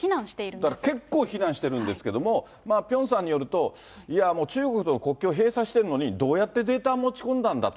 だから結構非難してるんですけれども、ピョンさんによると、いや、もう中国との国境を封鎖しているのに、どうやってデータ持ちこんだんだと。